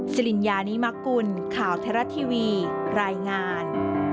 สิริญญานิมกุลข่าวไทยรัฐทีวีรายงาน